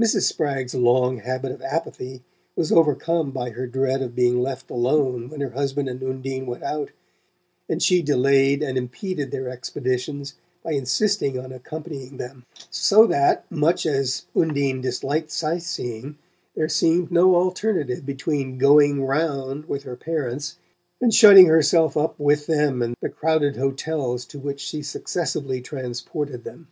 Mrs. Spragg's long habit of apathy was overcome by her dread of being left alone when her husband and Undine went out, and she delayed and impeded their expeditions by insisting on accompanying them; so that, much as Undine disliked sightseeing, there seemed no alternative between "going round" with her parents and shutting herself up with them in the crowded hotels to which she successively transported them.